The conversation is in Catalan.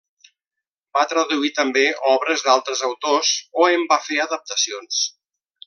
Va traduir també obres d'altres autors o en va fer adaptacions.